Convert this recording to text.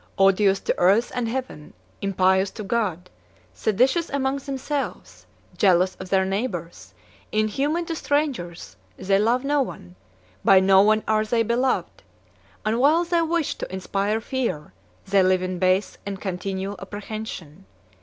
Odious to earth and heaven, impious to God, seditious among themselves, jealous of their neighbors, inhuman to strangers, they love no one, by no one are they beloved; and while they wish to inspire fear, they live in base and continual apprehension.